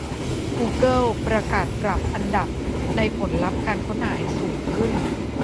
กูเกิลประกาศปรับอันดับในผลลัพธ์การค้นหาให้สูง ขึ้น